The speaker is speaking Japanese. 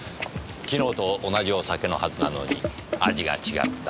昨日と同じお酒のはずなのに味が違った。